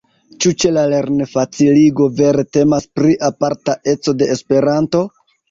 Ĉu ĉe la lernfaciligo vere temas pri aparta eco de Esperanto?